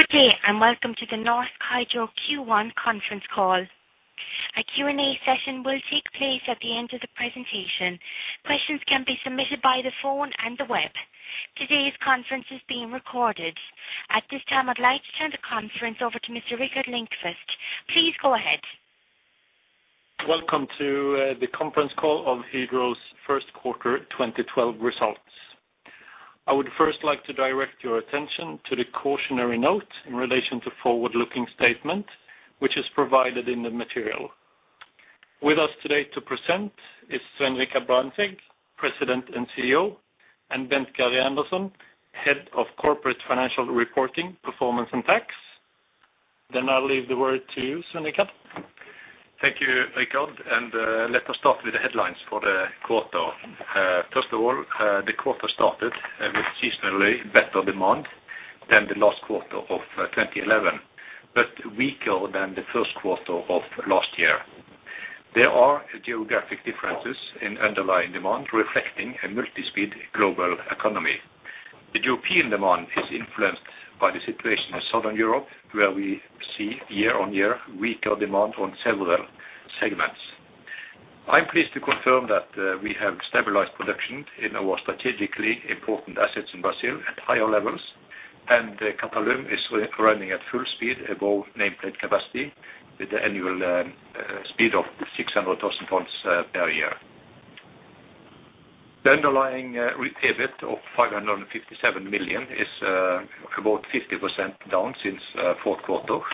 Good day and welcome to the Norsk Hydro Q1 conference call. A Q&A session will take place at the end of the presentation. Questions can be submitted by the phone and the web. Today's conference is being recorded. At this time, I'd like to turn the conference over to Mr. Rickard Lindqvist. Please go ahead. Welcome to the conference call of Hydro's first quarter 2012 results. I would first like to direct your attention to the cautionary note in relation to forward-looking statement, which is provided in the material. With us today to present is Svein Richard Brandtzæg, President and CEO, and Bent Gry Andersen, Head of Corporate Financial Reporting, Performance and Tax. I'll leave the word to you, Svein Richard. Thank you, Rickard, and let us start with the headlines for the quarter. First of all, the quarter started with seasonally better demand than the last quarter of 2011, but weaker than the first quarter of last year. There are geographic differences in underlying demand reflecting a multi-speed global economy. The European demand is influenced by the situation in Southern Europe, where we see year-on-year weaker demand on several segments. I'm pleased to confirm that we have stabilized production in our strategically important assets in Brazil at higher levels, and Albras is running at full speed above nameplate capacity with the annual speed of 600,000 tons per year. The underlying EBIT of 557 million is about 50% down since fourth quarter.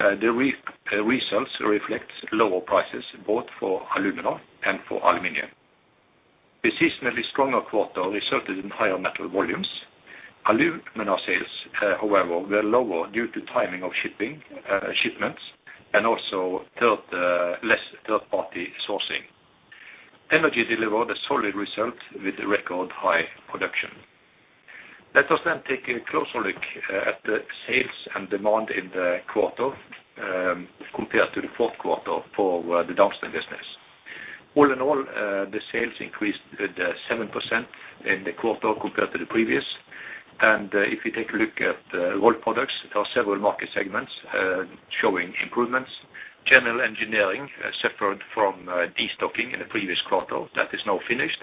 The results reflect lower prices both for alumina and for aluminum. The seasonally stronger quarter resulted in higher metal volumes. Alumina sales, however, were lower due to timing of shipments and also less third-party sourcing. Energy delivered a solid result with record high production. Let us take a closer look at the sales and demand in the quarter compared to the fourth quarter for the downstream business. All in all, the sales increased 7% in the quarter compared to the previous. If you take a look at Rolled Products, there are several market segments showing improvements. General engineering suffered from destocking in the previous quarter. That is now finished.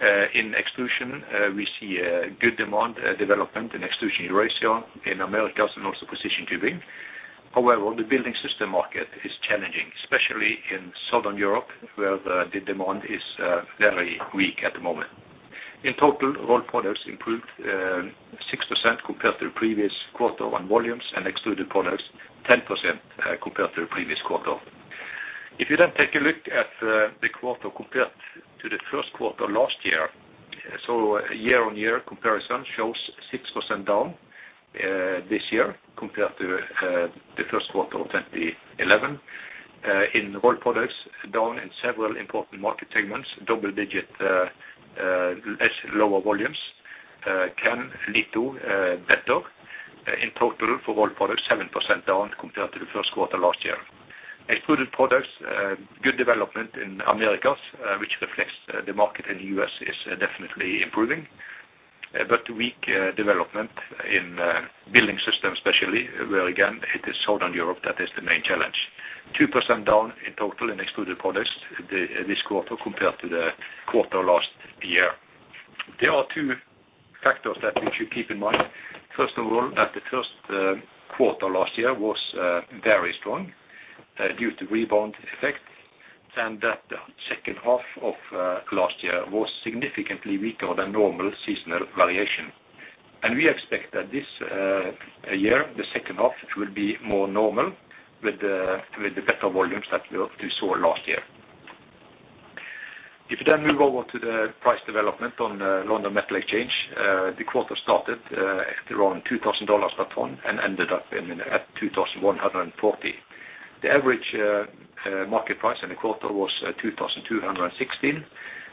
In extrusion, we see a good demand development in Extrusions Americas and also precision tubing. However, the Building Systems market is challenging, especially in Southern Europe, where the demand is very weak at the moment. In total, Rolled Products improved 6% compared to the previous quarter on volumes, and Extruded Products, 10%, compared to the previous quarter. If you then take a look at the quarter compared to the first quarter last year, so a year-on-year comparison shows 6% down this year compared to the first quarter of 2011. In Rolled Products, down in several important market segments, double-digit lower volumes can lead to better. In total for Rolled Products, 7% down compared to the first quarter last year. Extruded Products, good development in Americas, which reflects the market in the U.S. is definitely improving. Weak development in building systems especially, where again, it is Southern Europe that is the main challenge. 2% down in total in Extruded Products this quarter compared to the quarter last year. There are two factors that we should keep in mind. First of all, that the first quarter last year was very strong due to rebound effects, and that the second half of last year was significantly weaker than normal seasonal variation. We expect that this year, the second half will be more normal with the better volumes that we saw last year. If you then move over to the price development on London Metal Exchange, the quarter started at around $2,000 per ton and ended up at $2,140. The average market price in the quarter was $2,216.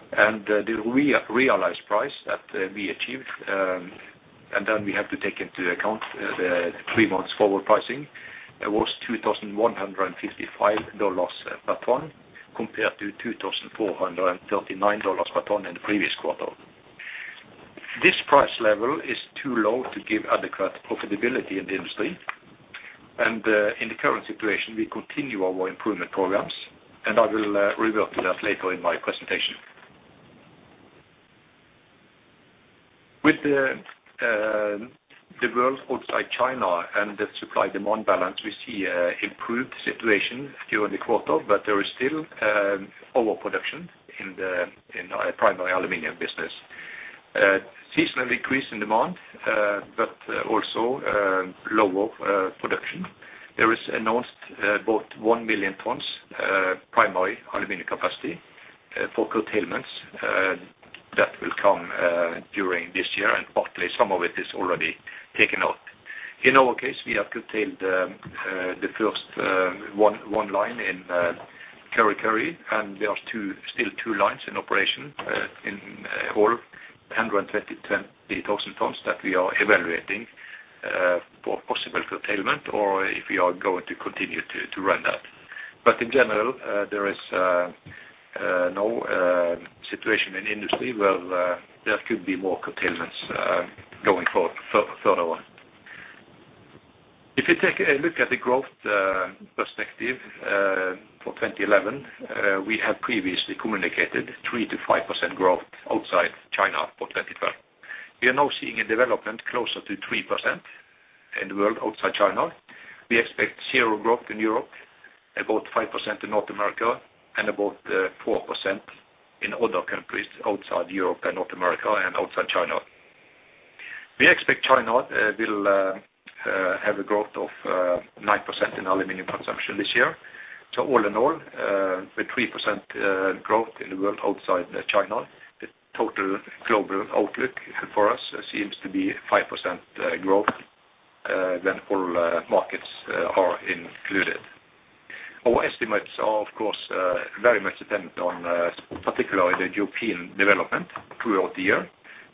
The realized price that we achieved, and then we have to take into account the three months forward pricing, was $2,155 per ton, compared to $2,439 per ton in the previous quarter. This price level is too low to give adequate profitability in the industry. In the current situation, we continue our improvement programs, and I will revert to that later in my presentation. With the world outside China and the supply-demand balance, we see an improved situation during the quarter, but there is still overproduction in the primary aluminum business. Seasonal increase in demand, but also lower production. There have been announcements of about 1 million tons of primary aluminum capacity for curtailments that will come during this year, and partly some of it is already taken out. In our case, we have curtailed the first line in Kurri Kurri, and there are two lines still in operation, or 120,000 tons that we are evaluating for possible or if we are going to continue to run that. In general, there is no situation in the industry where there could be more curtailments going further on. If you take a look at the growth perspective for 2011, we have previously communicated 3%-5% growth outside China for 2012. We are now seeing a development closer to 3% in the world outside China. We expect 0% growth in Europe, about 5% in North America, and about 4% in other countries outside Europe and North America and outside China. We expect China will have a growth of 9% in aluminum consumption this year. All in all, the 3% growth in the world outside China, the total global outlook for us seems to be 5% growth when all markets are included. Our estimates are of course very much dependent on particularly the European development throughout the year.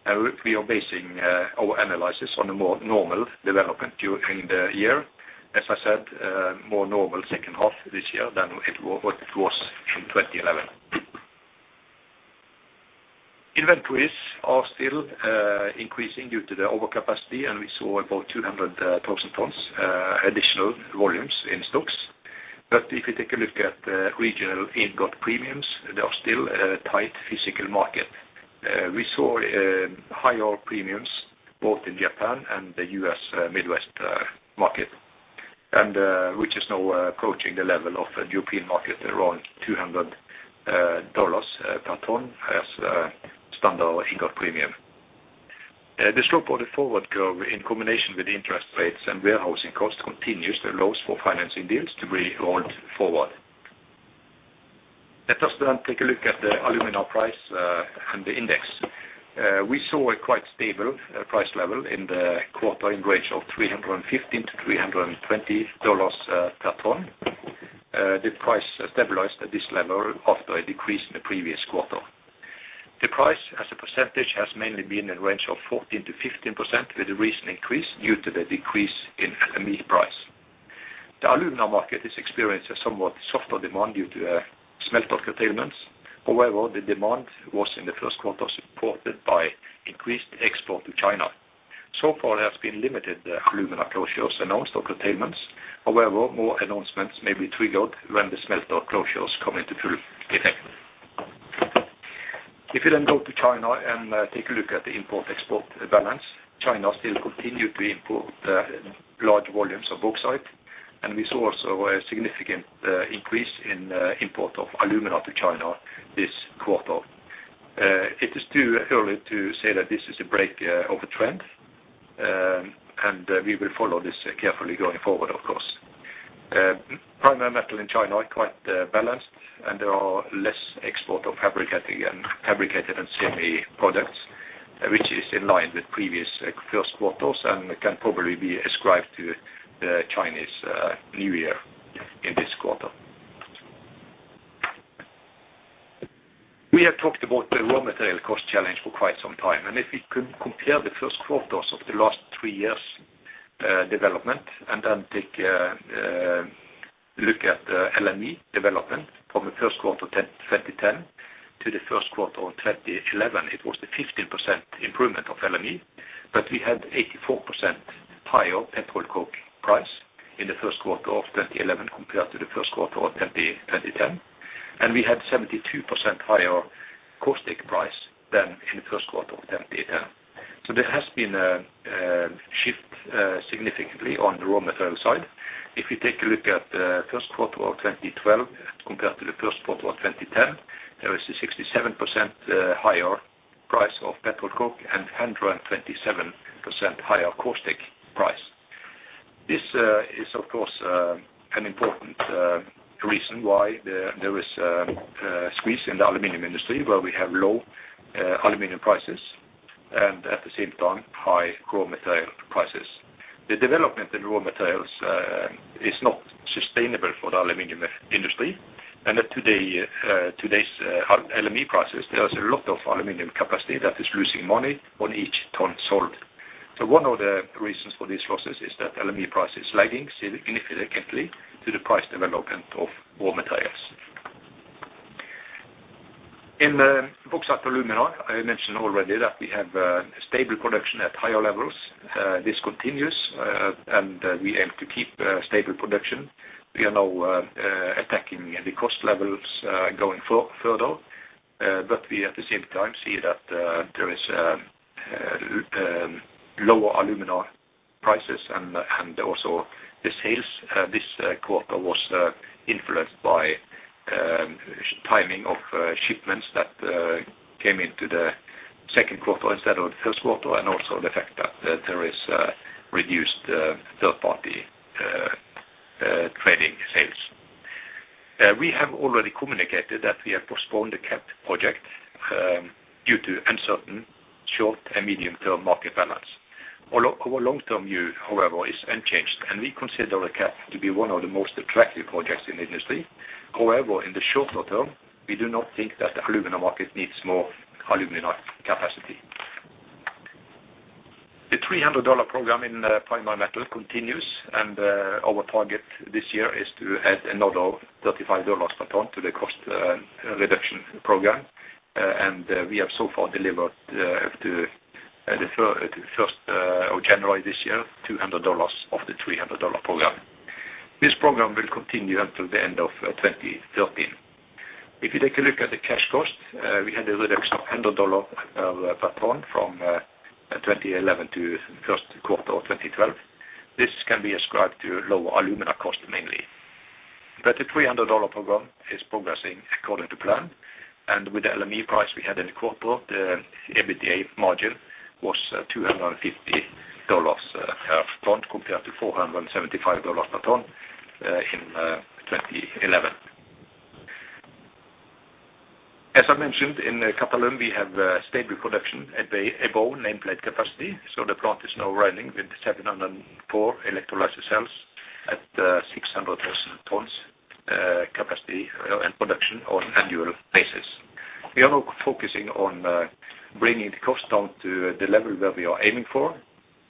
We are basing our analysis on a more normal development during the year. As I said, more normal second half this year than it was in 2011. Inventories are still increasing due to the overcapacity, and we saw about 200,000 tons additional volumes in stocks. If you take a look at regional ingot premiums, there is still a tight physical market. We saw higher premiums both in Japan and the U.S. Midwest market, which is now approaching the level of the European market around $200 per ton as standard ingot premium. The slope of the forward curve in combination with interest rates and warehousing costs continues to be low for financing deals to be rolled forward. Let us take a look at the alumina price and the index. We saw a quite stable price level in the quarter in range of $315-$320 per ton. The price stabilized at this level after a decrease in the previous quarter. The price as a percentage has mainly been in range of 14%-15%, with a recent increase due to the decrease in LME price. The alumina market has experienced a somewhat softer demand due to smelter curtailments. However, the demand was in the first quarter supported by increased export to China. So far there has been limited alumina closures announced or curtailments. However, more announcements may be triggered when the smelter closures come into full effect. If you then go to China and take a look at the import-export balance, China still continue to import large volumes of bauxite, and we saw also a significant increase in import of alumina to China this quarter. It is too early to say that this is a break of a trend, and we will follow this carefully going forward, of course. Primary metal in China are quite balanced, and there are less export of fabricated and semi products, which is in line with previous first quarters and can probably be ascribed to the Chinese New Year in this quarter. We have talked about the raw material cost challenge for quite some time, and if we could compare the first quarters of the last three years' development and then take a look at the LME development from the first quarter 2010 to the first quarter of 2011, it was a 15% improvement of LME, but we had 84% higher pet coke price in the first quarter of 2011 compared to the first quarter of 2010. We had 72% higher caustic price than in the first quarter of 2010. There has been a shift significantly on the raw material side. If you take a look at the first quarter of 2012 compared to the first quarter of 2010, there is a 67% higher price of pet coke and 127% higher caustic price. This is of course an important reason why there is a squeeze in the aluminum industry, where we have low aluminum prices and at the same time, high raw material prices. The development in raw materials is not sustainable for the aluminum industry, and at today's LME prices, there is a lot of aluminum capacity that is losing money on each ton sold. One of the reasons for this losses is that LME price is lagging significantly to the price development of raw materials. In the Bauxite & Alumina, I mentioned already that we have stable production at higher levels. This continues, and we aim to keep stable production. We are now attacking the cost levels, going further, but we at the same time see that there is lower alumina prices and also the sales this quarter was influenced by timing of shipments that came into the second quarter instead of the first quarter, and also the fact that there is reduced third-party trading sales. We have already communicated that we have postponed the CAP project due to uncertain short and medium-term market balance. Our long-term view, however, is unchanged, and we consider the CAP to be one of the most attractive projects in the industry. However, in the shorter term, we do not think that the alumina market needs more alumina capacity. The $300 program in primary metal continues, and our target this year is to add another $35 per ton to the cost reduction program. We have so far delivered up to the first of January this year, $200 of the $300 program. This program will continue until the end of 2013. If you take a look at the cash cost, we had a reduction of $100 per ton from 2011 to first quarter of 2012. This can be ascribed to lower alumina cost mainly. The $300 program is progressing according to plan. With the LME price we had in the quarter, the EBITDA margin was $250 per ton compared to $475 per ton in 2011. As I mentioned, in Qatalum we have stable production at the above nameplate capacity, so the plant is now running with 704 electrolysis cells at 600,000 tons capacity and production on annual basis. We are now focusing on bringing the cost down to the level where we are aiming for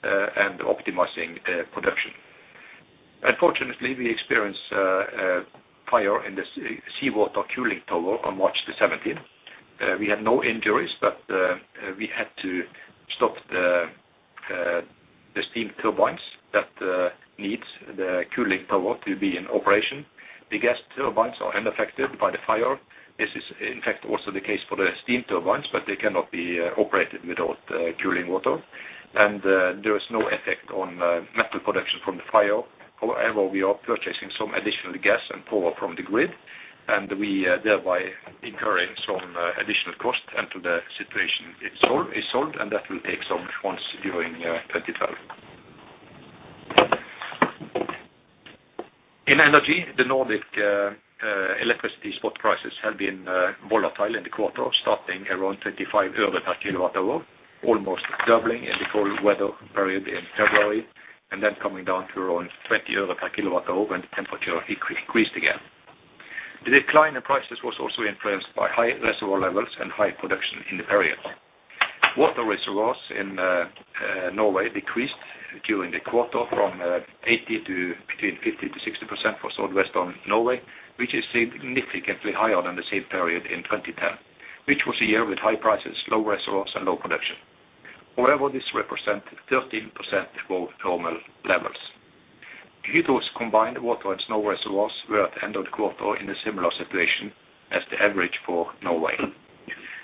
and optimizing production. Unfortunately, we experienced a fire in the seawater cooling tower on March 17. We had no injuries, but we had to stop the steam turbines that needs the cooling tower to be in operation. The gas turbines are unaffected by the fire. This is in fact also the case for the steam turbines, but they cannot be operated without cooling water. There is no effect on metal production from the fire. However, we are purchasing some additional gas and power from the grid, and we thereby incurring some additional cost until the situation is solved, and that will take some months during 2012. In energy, the Nordic electricity spot prices have been volatile in the quarter, starting around 25 EUR per kWh, almost doubling in the cold weather period in February, and then coming down to around 20 euro per kWh when the temperature increased again. The decline in prices was also influenced by high reservoir levels and high production in the period. Water reservoirs in Norway decreased during the quarter from 80 to between 50-60% for Southwest Norway, which is significantly higher than the same period in 2010, which was a year with high prices, low reservoirs, and low production. However, this represent 13% below normal levels. Hydro's combined water and snow reservoirs were at the end of the quarter in a similar situation as the average for Norway.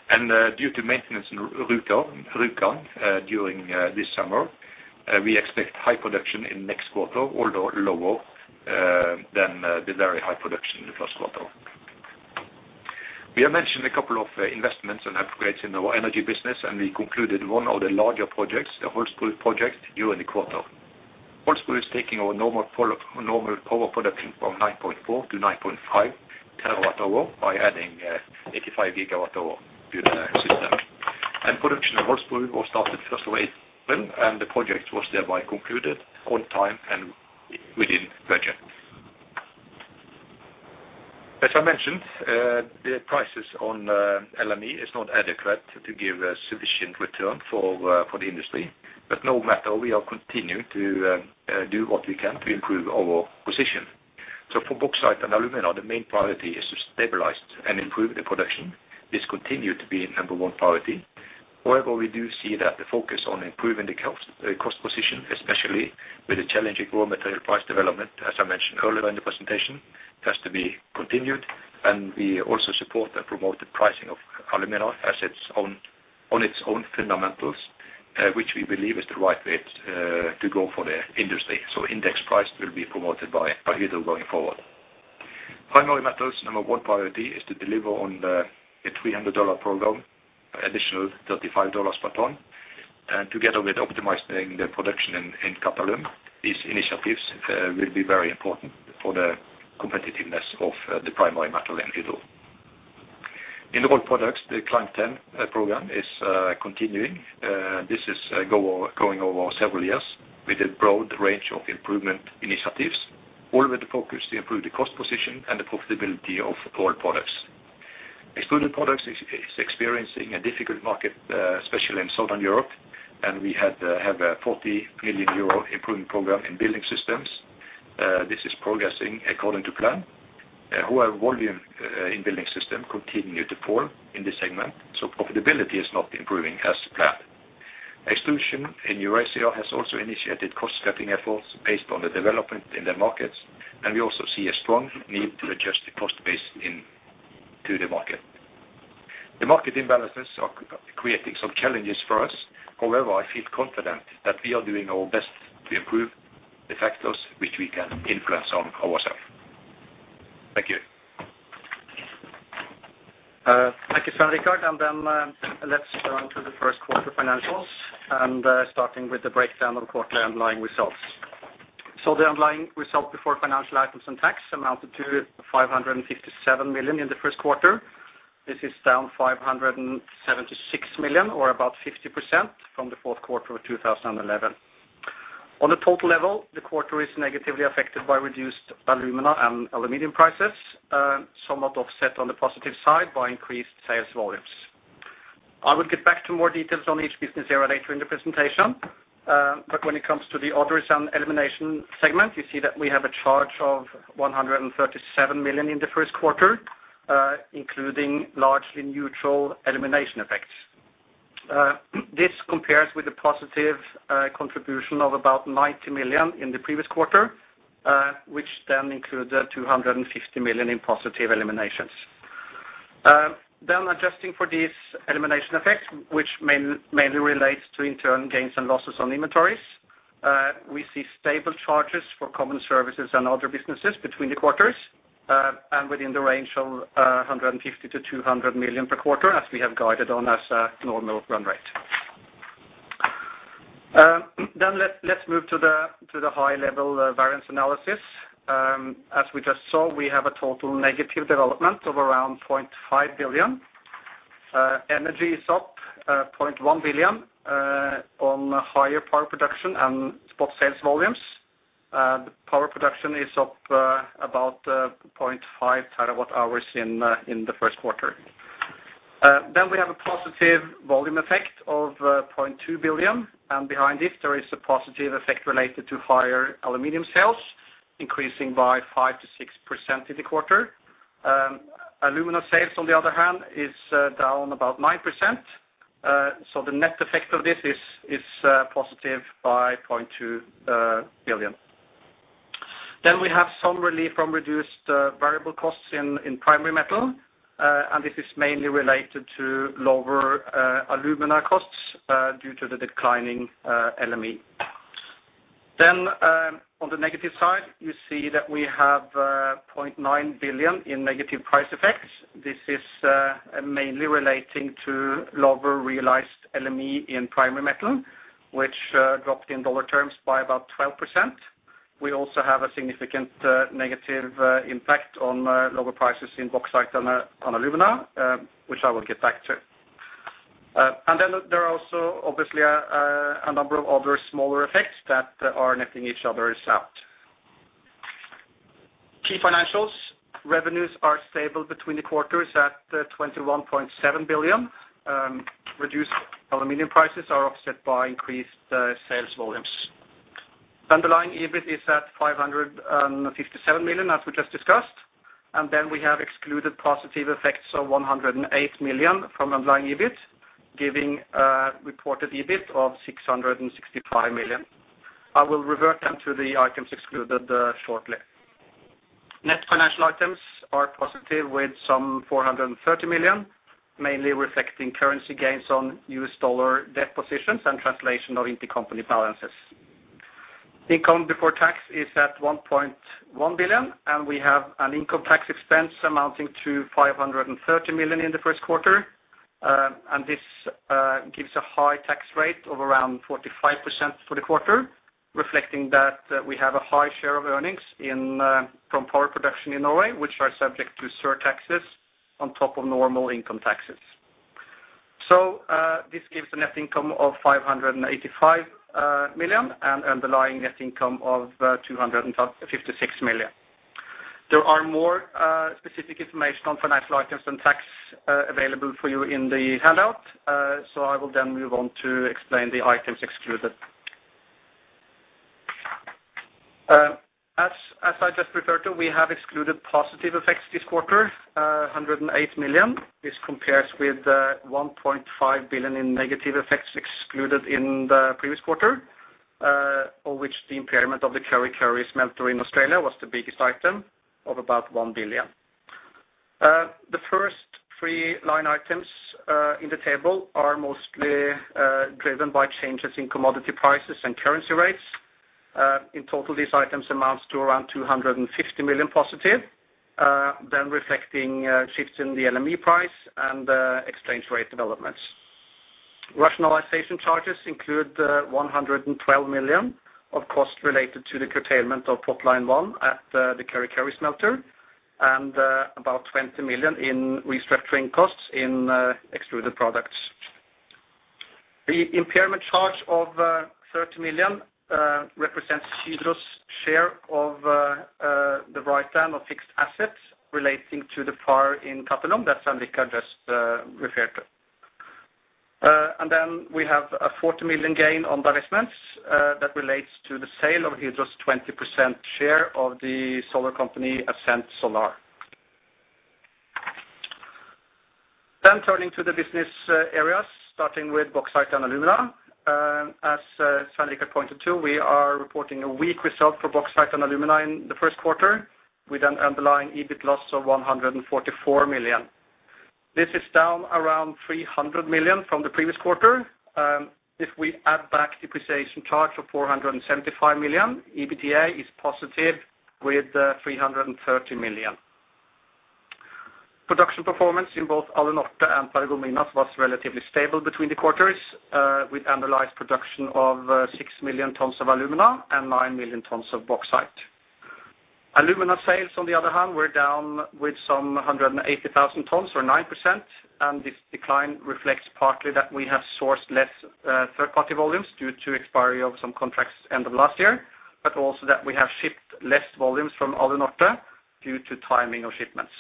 Due to maintenance in Rjukan during this summer, we expect high production in next quarter, although lower than the very high production in the first quarter. We have mentioned a couple of investments and upgrades in our energy business, and we concluded one of the larger projects, the Horspool project, during the quarter. Horspool is taking our normal power production from 9.4 to 9.5 terawatt-hours by adding 85 gigawatt-hours to the system. Production of Horspool was started first of April, and the project was thereby concluded on time and within budget. As I mentioned, the prices on LME is not adequate to give a sufficient return for the industry. No matter, we are continuing to do what we can to improve our position. For Bauxite and Alumina, the main priority is to stabilize and improve the production. This continue to be number one priority. However, we do see that the focus on improving the cost position, especially with the challenging raw material price development, as I mentioned earlier in the presentation, has to be continued. We also support the promoted pricing of alumina on its own fundamentals, which we believe is the right way to go for the industry. Index price will be promoted by Hydro going forward. Primary metals' number one priority is to deliver on the $300 program, additional $35 per ton. Together with optimizing the production in Kapalin, these initiatives will be very important for the competitiveness of the primary metal in Hydro. In the Rolled Products, the Climb 10 program is continuing. This is going over several years with a broad range of improvement initiatives, all with the focus to improve the cost position and the profitability of Rolled Products. Extrusion products is experiencing a difficult market, especially in Southern Europe. We have a 40 million euro improvement program in Building Systems. This is progressing according to plan. However, volume in Building Systems continue to fall in this segment, so profitability is not improving as planned. Extrusion in USA has also initiated cost-cutting efforts based on the development in the markets, and we also see a strong need to adjust the cost base into the market. The market imbalances are creating some challenges for us. However, I feel confident that we are doing our best to improve the factors which we can influence on ourselves. Thank you. Thank you, Svein Richard Brandtzæg. Let's turn to the first quarter financials, starting with the breakdown of quarterly underlying results. The underlying result before financial items and tax amounted to 557 million in the first quarter. This is down 576 million, or about 50%, from the fourth quarter of 2011. On the total level, the quarter is negatively affected by reduced alumina and aluminum prices, somewhat offset on the positive side by increased sales volumes. I will get back to more details on each business area later in the presentation. When it comes to the orders and elimination segment, you see that we have a charge of 137 million in the first quarter, including largely neutral elimination effects. This compares with a positive contribution of about 90 million in the previous quarter, which then includes 250 million in positive eliminations. Then adjusting for these elimination effects, which mainly relates to internal gains and losses on inventories. We see stable charges for common services and other businesses between the quarters, and within the range of 150-200 million per quarter as we have guided on as a normal run rate. Let's move to the high level variance analysis. As we just saw, we have a total negative development of around 0.5 billion. Energy is up 0.1 billion on higher power production and spot sales volumes. The power production is up about 0.5 terawatt-hours in the first quarter. We have a positive volume effect of 0.2 billion. Behind this there is a positive effect related to higher aluminium sales, increasing by 5%-6% in the quarter. Alumina sales, on the other hand, is down about 9%. The net effect of this is positive by 0.2 billion. We have some relief from reduced variable costs in primary metal. This is mainly related to lower alumina costs due to the declining LME. On the negative side, you see that we have 0.9 billion in negative price effects. This is mainly relating to lower realized LME in primary metal, which dropped in dollar terms by about 12%. We also have a significant negative impact on lower prices in bauxite and alumina, which I will get back to. There are also obviously a number of other smaller effects that are netting each other out. Key financials. Revenues are stable between the quarters at 21.7 billion. Reduced aluminum prices are offset by increased sales volumes. Underlying EBIT is at 557 million, as we just discussed. We have excluded positive effects of 108 million from underlying EBIT, giving a reported EBIT of 665 million. I will revert then to the items excluded shortly. Net financial items are positive, with 430 million, mainly reflecting currency gains on US dollar debt positions and translation of intercompany balances. Income before tax is at 1.1 billion, and we have an income tax expense amounting to 530 million in the first quarter. This gives a high tax rate of around 45% for the quarter, reflecting that we have a high share of earnings from power production in Norway, which are subject to surtaxes on top of normal income taxes. This gives a net income of 585 million and underlying net income of 256 million. There are more specific information on financial items and tax available for you in the handout. I will then move on to explain the items excluded. As I just referred to, we have excluded positive effects this quarter, 108 million. This compares with one point five billion in negative effects excluded in the previous quarter, of which the impairment of the Kurri Kurri smelter in Australia was the biggest item of about 1 billion. The first three line items in the table are mostly driven by changes in commodity prices and currency rates. In total, these items amounts to around 250 million positive, then reflecting shifts in the LME price and exchange rate developments. Rationalization charges include 112 million of costs related to the curtailment of Potline One at the Kurri Kurri smelter, and about 20 million in restructuring costs in Extruded Products. The impairment charge of 30 million represents Hydro's share of the write-down of fixed assets relating to Paragominas that Svein Richard Brandtzæg just referred to. We have a 40 million gain on divestments that relates to the sale of Hydro's 20% share of the solar company, Ascent Solar. Turning to the business areas, starting with Bauxite and Alumina. As Svein Richard Brandtzæg pointed to, we are reporting a weak result for Bauxite and Alumina in the first quarter, with an underlying EBIT loss of 144 million. This is down around 300 million from the previous quarter. If we add back depreciation charge of 475 million, EBITDA is positive with 330 million. Production performance in both Alunorte and Albras was relatively stable between the quarters, with annualized production of 6 million tons of alumina and 9 million tons of bauxite. Alumina sales, on the other hand, were down with some 180,000 tons or 9%, and this decline reflects partly that we have sourced less third-party volumes due to expiry of some contracts end of last year, but also that we have shipped less volumes from Alunorte due to timing of shipments.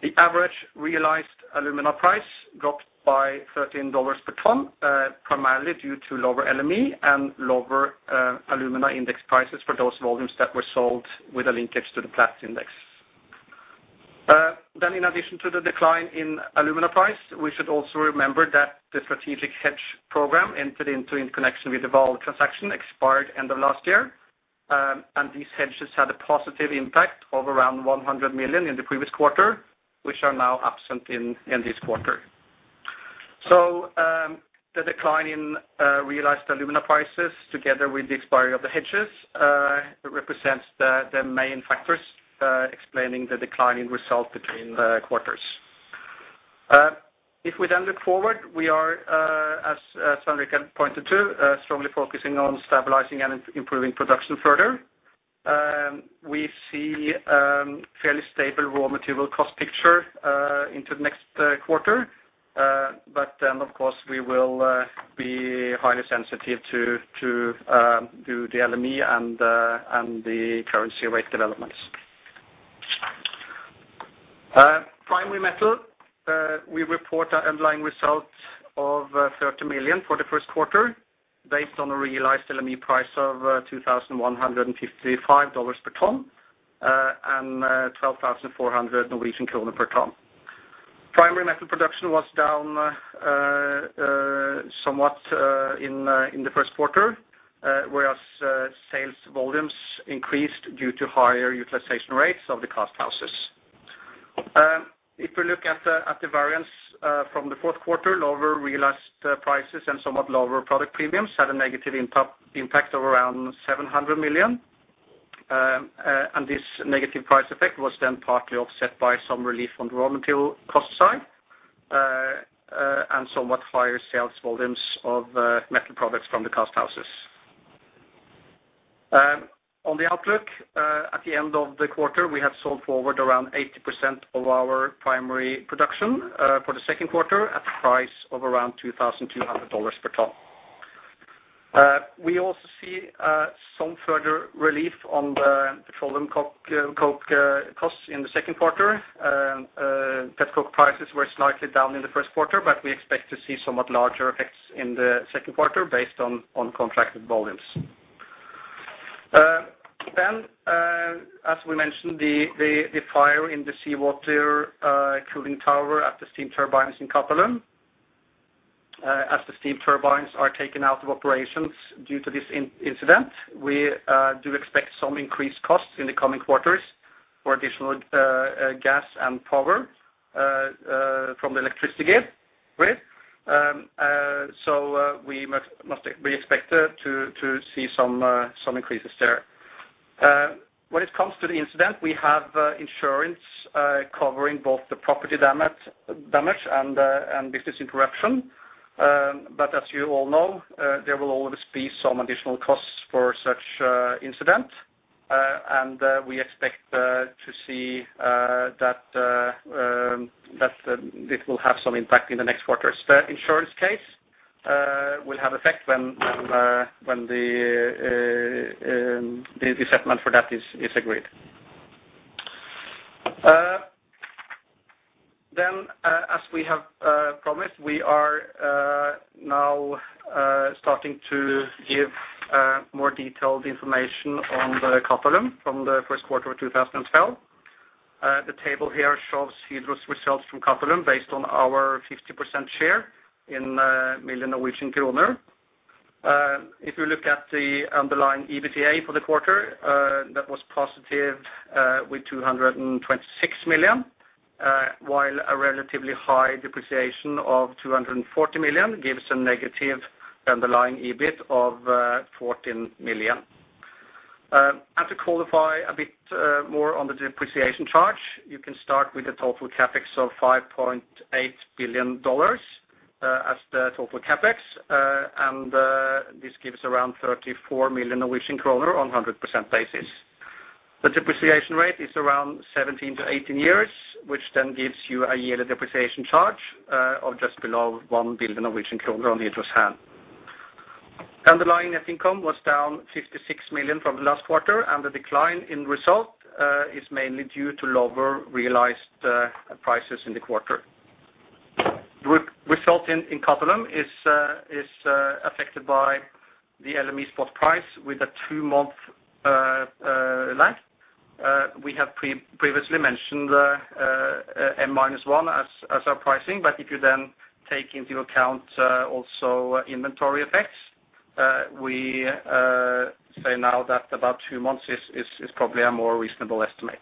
The average realized alumina price dropped by $13 per ton, primarily due to lower LME and lower alumina index prices for those volumes that were sold with a linkage to the Platts index. In addition to the decline in alumina price, we should also remember that the strategic hedge program entered into in connection with the Vale transaction expired end of last year, and these hedges had a positive impact of around 100 million in the previous quarter, which are now absent in this quarter. The decline in realized alumina prices together with the expiry of the hedges represents the main factors explaining the decline in result between quarters. If we then look forward, we are as Svein Richard Brandtzæg can point to strongly focusing on stabilizing and improving production further. We see fairly stable raw material cost picture into the next quarter. Of course, we will be highly sensitive to the LME and the currency rate developments. Primary Metal, we report our underlying results of 30 million for the first quarter based on a realized LME price of $2,155 per ton and 12,400 per ton. Primary metal production was down somewhat in the first quarter, whereas sales volumes increased due to higher utilization rates of the cast houses. If we look at the variance from the fourth quarter, lower realized prices and somewhat lower product premiums had a negative impact of around 700 million. This negative price effect was then partly offset by some relief on the raw material cost side, and somewhat higher sales volumes of metal products from the cast houses. On the outlook, at the end of the quarter, we have sold forward around 80% of our primary production for the second quarter at a price of around $2,200 per ton. We also see some further relief on the petroleum coke costs in the second quarter. Pet coke prices were slightly down in the first quarter, but we expect to see somewhat larger effects in the second quarter based on contracted volumes. As we mentioned, the fire in the seawater cooling tower at the steam turbines in Qatalum, as the steam turbines are taken out of operations due to this incident, we do expect some increased costs in the coming quarters for additional gas and power from the electricity grid, so we must be expected to see some increases there. When it comes to the incident, we have insurance covering both the property damage and business interruption. As you all know, there will always be some additional costs for such incident, and we expect to see that this will have some impact in the next quarters. The insurance case will have effect when the settlement for that is agreed. As we have promised, we are now starting to give more detailed information on the Paragominas from the first quarter of 2012. The table here shows Hydro's results from Paragominas based on our 50% share in million Norwegian kroner. If you look at the underlying EBITDA for the quarter, that was positive with 226 million, while a relatively high depreciation of 240 million gives a negative underlying EBIT of 14 million. To qualify a bit more on the depreciation charge, you can start with the total CapEx of $5.8 billion as the total CapEx. This gives around 34 million Norwegian kroner on 100% basis. The depreciation rate is around 17-18 years, which then gives you a yearly depreciation charge of just below 1 billion on Hydro's hand. Underlying net income was down 56 million from the last quarter, and the decline in result is mainly due to lower realized prices in the quarter. Result in Qatalum is affected by the LME spot price with a two-month lag. We have previously mentioned M-1 as our pricing, but if you then take into account also inventory effects, we say now that about two months is probably a more reasonable estimate.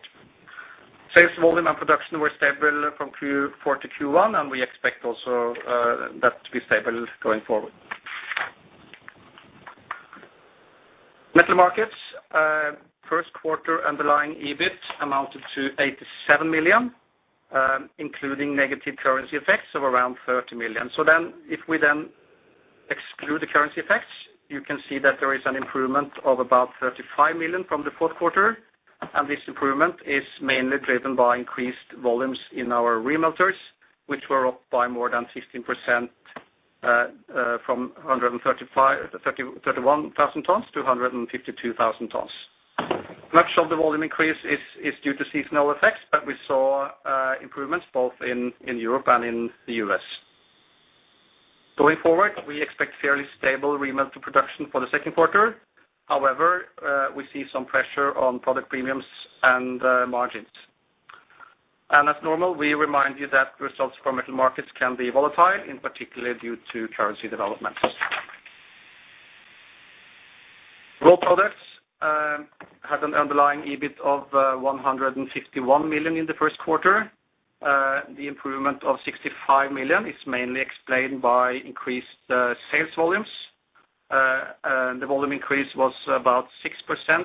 Sales volume and production were stable from Q4 to Q1, and we expect also that to be stable going forward. Metal markets first quarter underlying EBIT amounted to 87 million, including negative currency effects of around 30 million. Through the currency effects, you can see that there is an improvement of about 35 million from the fourth quarter, and this improvement is mainly driven by increased volumes in our remelters, which were up by more than 15% from 131,000 tons to 152,000 tons. Much of the volume increase is due to seasonal effects, but we saw improvements both in Europe and in the US. Going forward, we expect fairly stable remelter production for the second quarter. However, we see some pressure on product premiums and margins. As normal, we remind you that results from metal markets can be volatile, in particular due to currency developments. Rolled Products had an underlying EBIT of 151 million in the first quarter. The improvement of 65 million is mainly explained by increased sales volumes. The volume increase was about 6%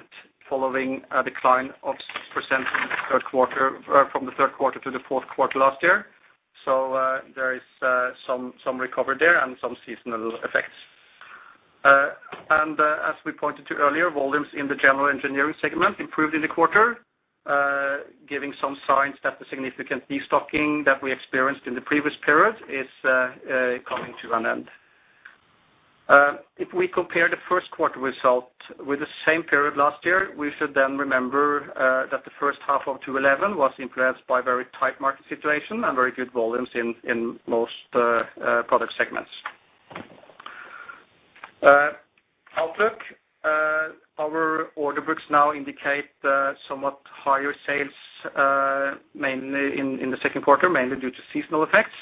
following a decline of 6% from the third quarter to the fourth quarter last year. There is some recovery there and some seasonal effects. As we pointed to earlier, volumes in the general engineering segment improved in the quarter, giving some signs that the significant destocking that we experienced in the previous period is coming to an end. If we compare the first quarter result with the same period last year, we should then remember that the first half of 2011 was influenced by very tight market situation and very good volumes in most product segments. Outlook, our order books now indicate somewhat higher sales mainly in the second quarter, mainly due to seasonal effects.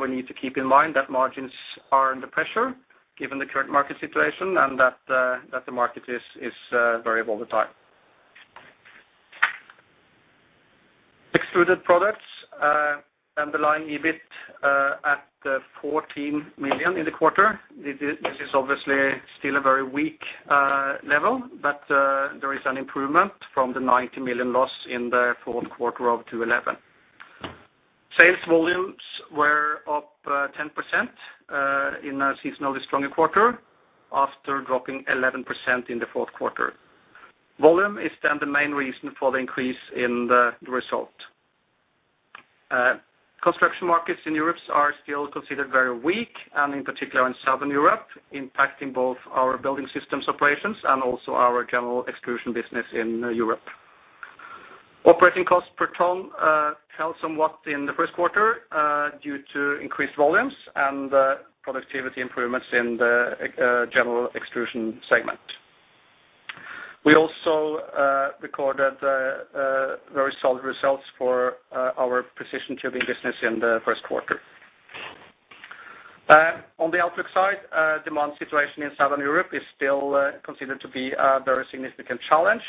We need to keep in mind that margins are under pressure given the current market situation and that the market is very volatile. Extruded Products underlying EBIT at 14 million in the quarter. This is obviously still a very weak level, but there is an improvement from the 90 million loss in the fourth quarter of 2011. Sales volumes were up 10% in a seasonally stronger quarter after dropping 11% in the fourth quarter. Volume is then the main reason for the increase in the result. Construction markets in Europe are still considered very weak, and in particular in Southern Europe, impacting both our Building Systems operations and also our general extrusion business in Europe. Operating costs per ton fell somewhat in the first quarter due to increased volumes and productivity improvements in the general extrusion segment. We also recorded very solid results for our Precision Tubing business in the first quarter. On the outlook side, demand situation in Southern Europe is still considered to be a very significant challenge.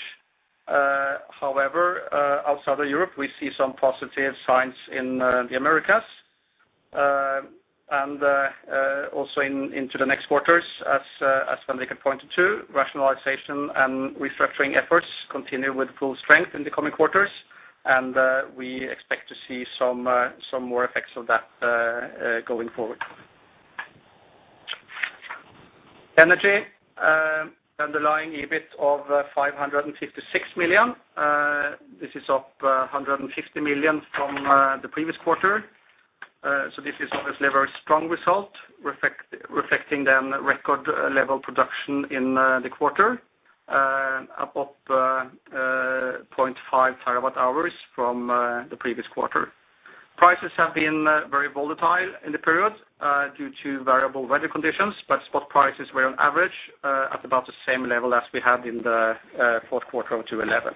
However, outside of Europe, we see some positive signs in the Americas. Also into the next quarters, as Svein Richard Brandtzæg pointed to, rationalization and restructuring efforts continue with full strength in the coming quarters, and we expect to see some more effects of that going forward. Energy, underlying EBIT of 556 million. This is up 150 million from the previous quarter. So this is obviously a very strong result reflecting the record level production in the quarter, up 0.5 terawatt-hours from the previous quarter. Prices have been very volatile in the period due to variable weather conditions, but spot prices were on average at about the same level as we had in the fourth quarter of 2011.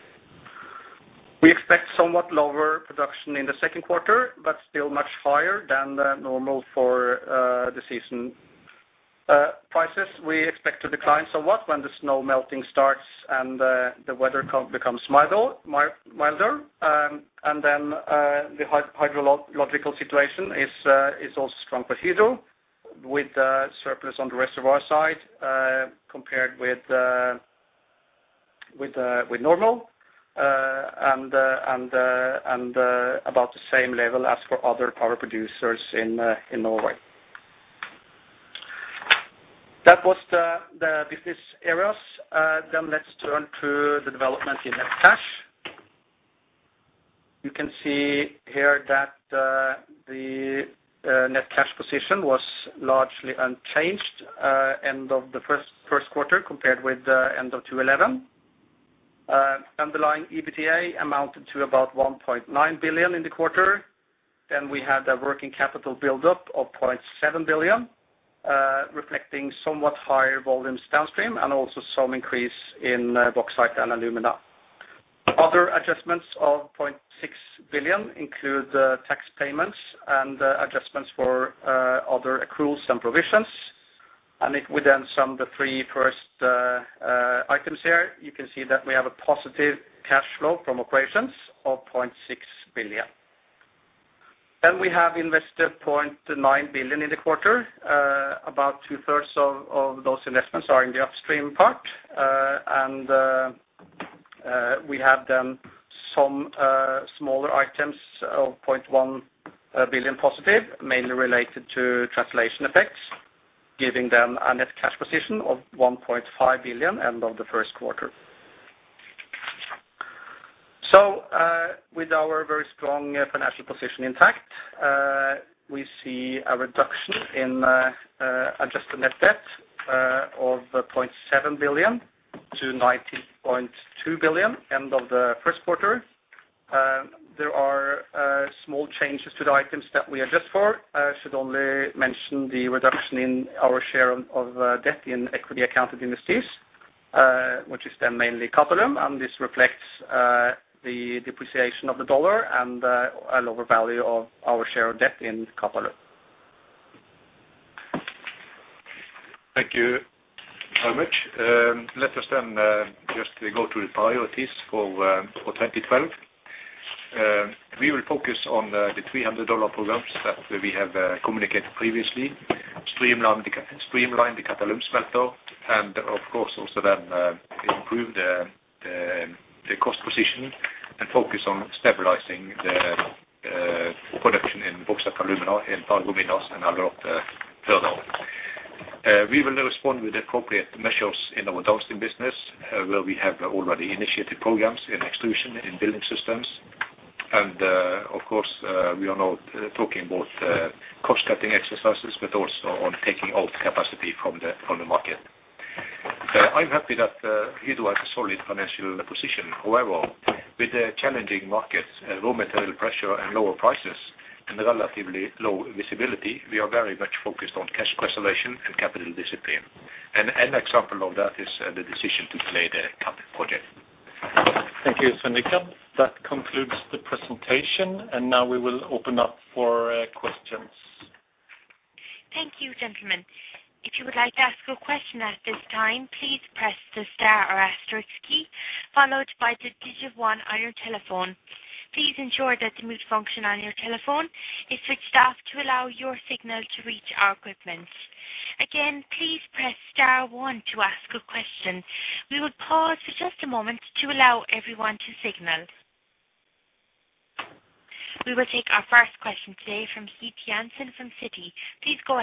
We expect somewhat lower production in the second quarter, but still much higher than the normal for the season. Prices we expect to decline somewhat when the snow melting starts and the weather becomes milder. The hydrological situation is also strong for Hydro with surplus on the reservoir side compared with normal and about the same level as for other power producers in Norway. That was the business areas. Let's turn to the development in net cash. You can see here that the net cash position was largely unchanged end of the first quarter compared with the end of 2011. Underlying EBITDA amounted to about 1.9 billion in the quarter. We had a working capital buildup of 0.7 billion, reflecting somewhat higher volumes downstream and also some increase in bauxite and alumina. Other adjustments of 0.6 billion include tax payments and adjustments for other accruals and provisions. If we then sum the three first items here, you can see that we have a positive cash flow from operations of 0.6 billion. We have invested 0.9 billion in the quarter. About two-thirds of those investments are in the upstream part. We have then some smaller items of 0.1 billion positive, mainly related to translation effects, giving them a net cash position of 1.5 billion end of the first quarter. With our very strong financial position intact, we see a reduction in adjusted net debt of 0.7 billion to 90.2 billion end of the first quarter. There are small changes to the items that we adjust for. I should only mention the reduction in our share of debt in equity accounted industries, which is mainly Qatalum, and this reflects the depreciation of the dollar and a lower value of our share of debt in Qatalum. Thank you very much. Let us then just go through the priorities for 2020. We will focus on the 300 dollar programs that we have communicated previously. Streamline the Qatalum metal and of course also then improve the cost position and focus on stabilizing the production in Bauxite & Alumina in Brazil. Please go ahead.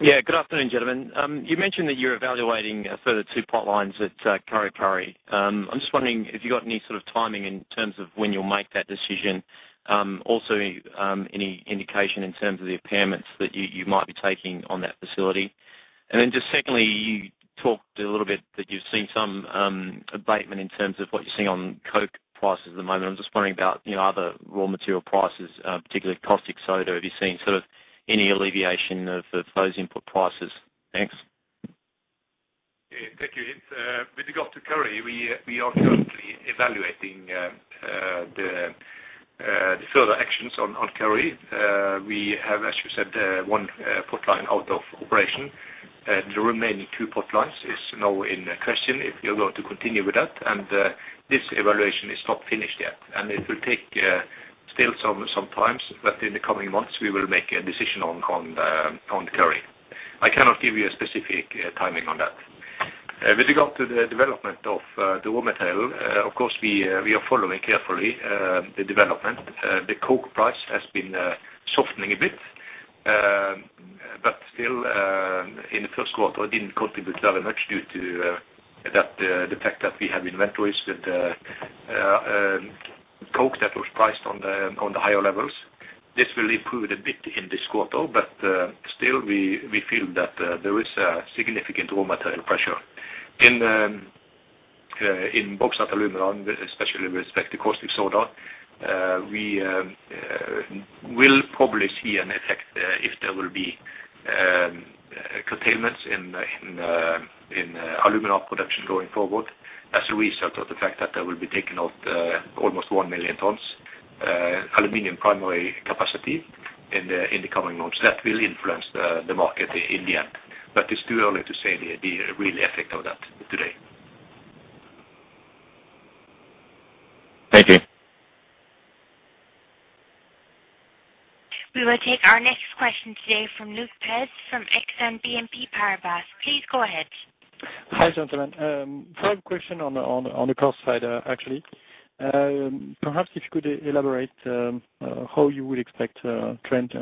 Yeah. Good afternoon, gentlemen. You mentioned that you're evaluating a further two potlines at Kurri Kurri. I'm just wondering if you've got any sort of timing in terms of when you'll make that decision. Also, any indication in terms of the impairments that you might be taking on that facility. Just secondly, you talked a little bit that you've seen some abatement in terms of what you're seeing on coke prices at the moment. I'm just wondering about, you know, other raw material prices, particularly caustic soda. Have you seen sort of any alleviation of those input prices? Thanks. Yeah. Thank you. It's with regard to Kurri Kurri, we are currently evaluating the further actions on Kurri Kurri. We have, as you said, one pot line out of operation. The remaining two pot lines is now in question if we're going to continue with that. This evaluation is not finished yet. It will take still some times, but in the coming months we will make a decision on the Kurri Kurri. I cannot give you a specific timing on that. With regard to the development of the raw material, of course, we are following carefully the development. The coke price has been softening a bit. Still, in the first quarter, it didn't contribute very much due to the fact that we have inventories with coke that was priced on the higher levels. This will improve a bit in this quarter. Still we feel that there is a significant raw material pressure. In Bauxite & Alumina, and especially with respect to caustic soda, we will probably see an effect if there will be curtailments in alumina production going forward as a result of the fact that there will be taken out almost 1 million tons aluminum primary capacity in the coming months. That will influence the market in the end, but it's too early to say the real effect of that today. Thank you. We will take our next question today from Luc Pez from Exane BNP Paribas. Please go ahead. Hi, gentlemen. I have a question on the cost side, actually. Perhaps if you could elaborate how you would expect trend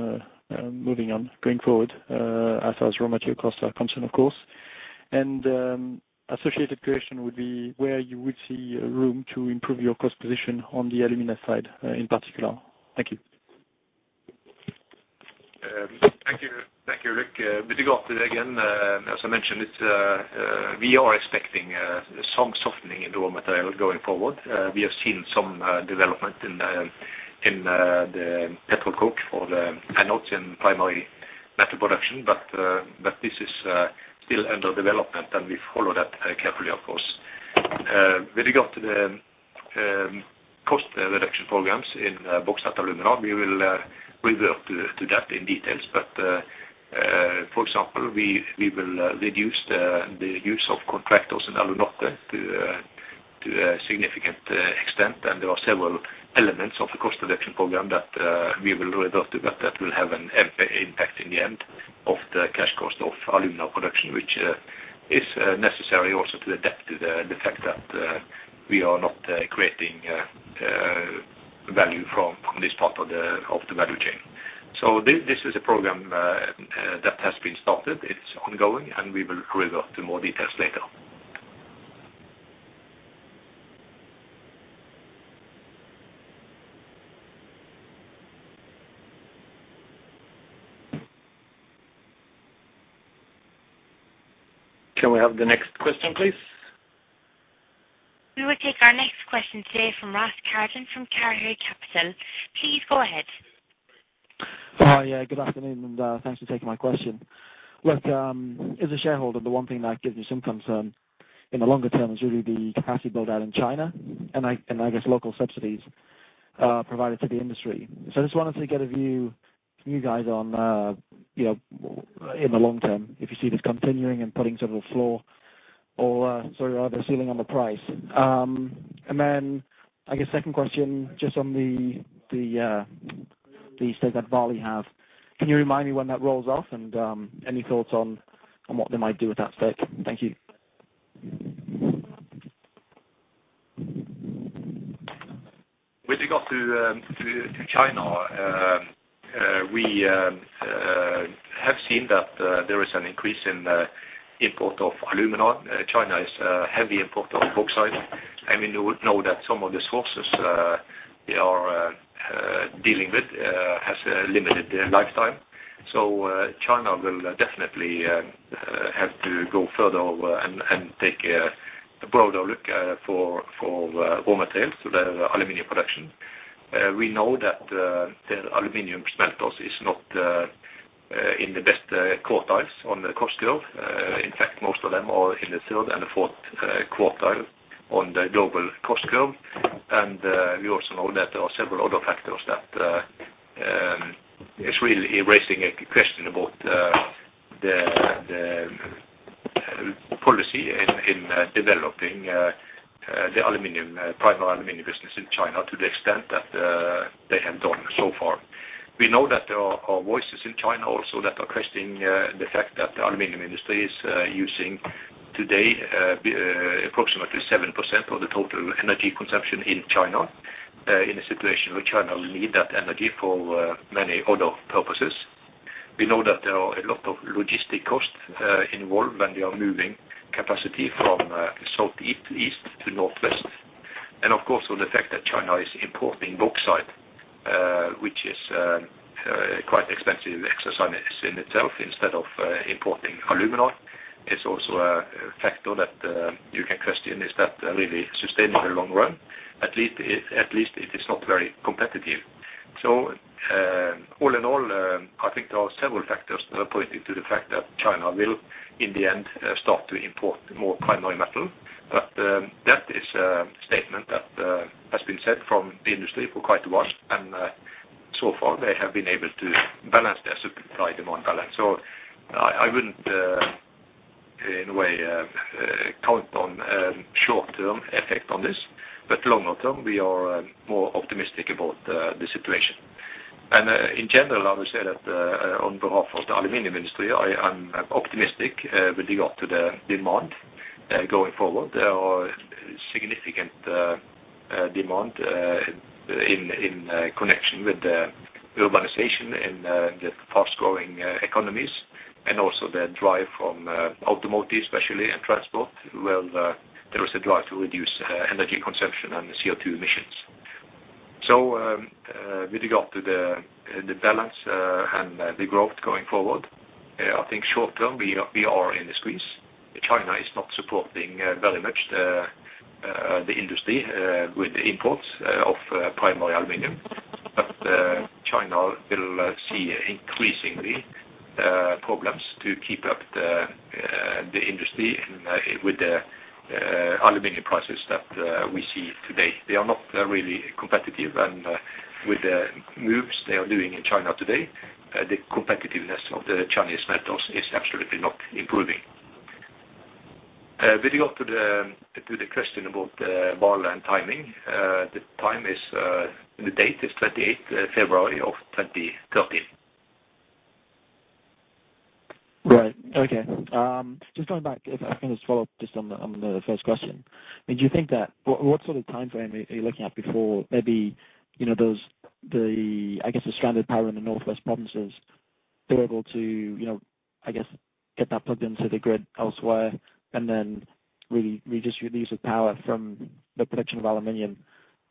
moving on going forward, as far as raw material costs are concerned, of course. Associated question would be where you would see room to improve your cost position on the alumina side, in particular. Thank you. Thank you. Thank you, Luc. With regard to, again, as I mentioned, we are expecting some softening in the raw material going forward. We have seen some development in the pet coke for the anodes in primary metal production, but this is still under development, and we follow that carefully, of course. With regard to the cost reduction programs in Bauxite & Alumina, we will revert to that in details. For example, we will reduce the use of contractors in Alunorte to a significant extent, and there are several elements of the cost reduction program that we will revert to, but that will have an impact on the cash cost of alumina production, which is necessary also to adapt to the fact that we are not creating value from this part of the value chain. This is a program that has been started, it's ongoing, and we will revert to more details later. Can we have the next question, please? We will take our next question today from Ross Carrigan from Carrey Capital. Please go ahead. Oh, yeah, good afternoon, and thanks for taking my question. Look, as a shareholder, the one thing that gives me some concern in the longer term is really the capacity build out in China, and I guess local subsidies provided to the industry. I just wanted to get a view from you guys on, you know, in the long term, if you see this continuing and putting sort of a floor or, sorry, or the ceiling on the price. And then, I guess, second question, just on the stake that Vale have. Can you remind me when that rolls off, and any thoughts on what they might do with that stake? Thank you. With regard to China, we have seen that there is an increase in import of alumina. China is a heavy importer of bauxite, and we know that some of the sources they are dealing with has a limited lifetime. China will definitely have to go further and take a broader look for raw materials for the aluminum production. We know that their aluminum smelters is not in the best quartiles on the cost curve. In fact, most of them are in the third and fourth quartile on the global cost curve. We also know that there are several other factors that is really raising a question about the policy in developing the primary aluminum business in China to the extent that they have done so far. We know that there are voices in China also that are questioning the fact that the aluminum industry is using today approximately 7% of the total energy consumption in China in a situation where China will need that energy for many other purposes. We know that there are a lot of logistic costs involved when we are moving capacity from Southeast to Northwest. Of course, on the fact that China is importing bauxite, which is a quite expensive exercise in itself instead of importing alumina. It's also a factor that you can question. Is that really sustainable long run? At least it is not very competitive. All in all, I think there are several factors that are pointing to the fact that China will, in the end, start to import more primary metal. That is a statement that has been said by the industry for quite a while, and so far, they have been able to balance their supply and demand balance. I wouldn't in a way count on short-term effect on this, but longer term, we are more optimistic about the situation. In general, I would say that on behalf of the aluminum industry, I'm optimistic with regard to the demand going forward. There are significant demand in connection with the urbanization and the fast-growing economies, and also the drive from automotive especially and transport, where there is a drive to reduce energy consumption and CO2 emissions. With regard to the balance and the growth going forward, I think short term, we are in the squeeze. China is not supporting very much the industry with the imports of primary aluminum. China will see increasingly problems to keep up the industry and with the aluminum prices that we see today. They are not really competitive, and with the moves they are doing in China today, the competitiveness of the Chinese metals is absolutely not improving. With regard to the question about the B&A and timing, the date is 28th February 2030. Right. Okay. Just going back, if I can just follow up just on the first question. I mean, what sort of timeframe are you looking at before maybe, you know, those, the, I guess the stranded power in the northwest provinces, they're able to, you know, I guess, get that plugged into the grid elsewhere and then really redistribute the use of power from the production of aluminum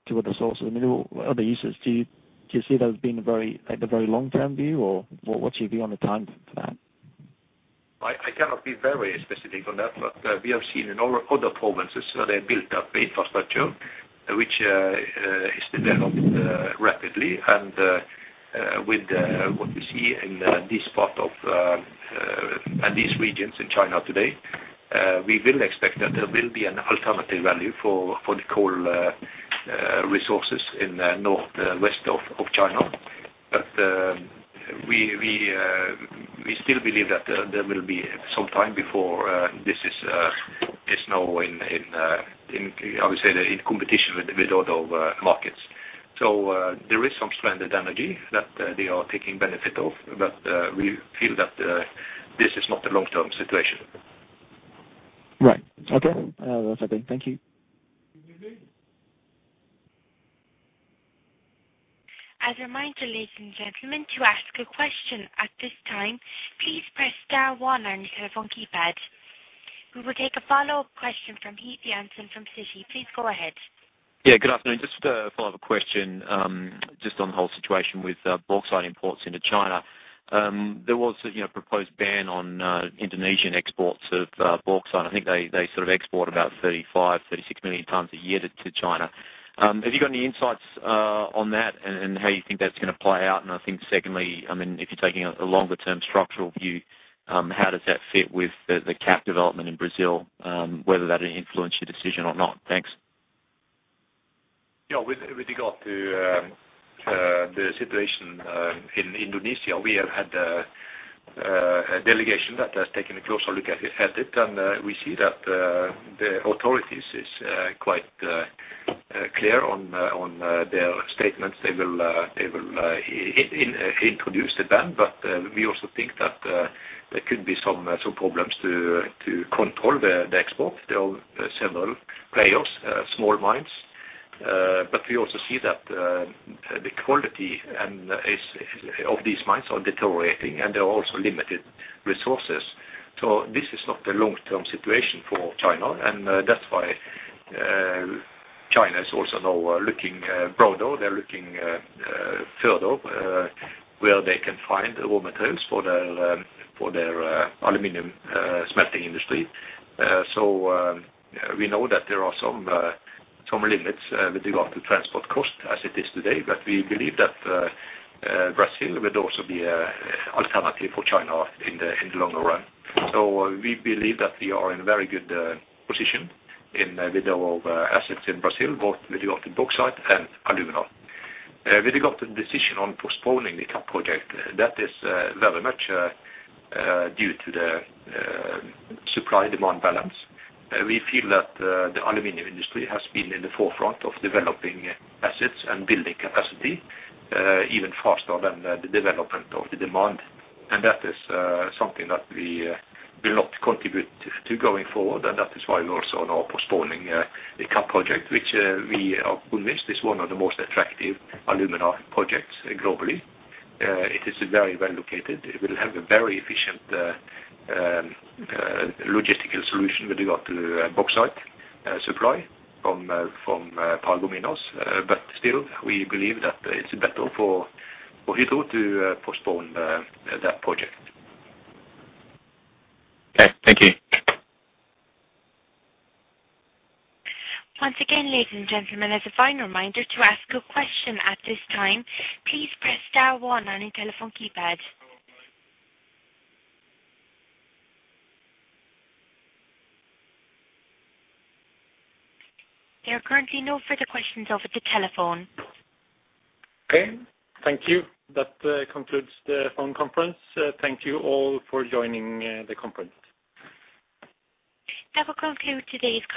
to other sources, I mean, other uses. Do you see that as being a very, like, the very long-term view or what's your view on the time for that? I cannot be very specific on that, but we have seen in our other provinces they built up infrastructure which is developed rapidly. With what we see in this part of and these regions in China today, we will expect that there will be an alternative value for the coal resources in northwest of China. We still believe that there will be some time before this is now I would say in competition with other markets. There is some stranded energy that they are taking benefit of, but we feel that this is not a long-term situation. Right. Okay. That's okay. Thank you. As a reminder, ladies and gentlemen, to ask a question at this time, please press star one on your telephone keypad. We will take a follow-up question from Heath Jansen from Citi. Please go ahead. Yeah, good afternoon. Just a follow-up question, just on the whole situation with bauxite imports into China. There was a, you know, proposed ban on Indonesian exports of bauxite. I think they sort of export about 35-36 million tons a year to China. Have you got any insights on that and how you think that's gonna play out? I think secondly, I mean, if you're taking a longer term structural view, how does that fit with the CAP development in Brazil, whether that influenced your decision or not? Thanks. With regard to the situation in Indonesia, we have had a delegation that has taken a closer look at it. We see that the authorities is quite clear on their statements. They will introduce the ban. We also think that there could be some problems to control the export. There are several players, small mines, but we also see that the quality of these mines are deteriorating, and there are also limited resources. This is not a long-term situation for China, and that's why China is also now looking broader. They're looking further where they can find raw materials for their aluminum smelting industry. We know that there are some limits with regard to transport costs as it is today. We believe that Brazil would also be an alternative for China in the longer run. We believe that we are in very good position with our assets in Brazil, both with regard to bauxite and alumina. With regard to the decision on postponing the CAP project, that is very much due to the supply-demand balance. We feel that the aluminum industry has been in the forefront of developing assets and building capacity even faster than the development of the demand. That is something that we will not contribute to going forward. That is why we're also now postponing the CAP project, which we are convinced is one of the most attractive alumina projects globally. It is very well located. It will have a very efficient logistical solution with regard to bauxite supply from Paragominas. Still, we believe that it's better for Hydro to postpone that project. Okay. Thank you. Once again, ladies and gentlemen, as a final reminder to ask a question at this time, please press star one on your telephone keypad. There are currently no further questions over the telephone. Okay. Thank you. That concludes the phone conference. Thank you all for joining the conference. That will conclude today's conference.